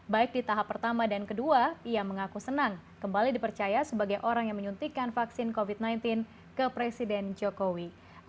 baik di tahap pertama dan kedua ia mengaku senang kembali dipercaya sebagai orang yang menyuntikan vaksin covid sembilan belas ke presiden jokowi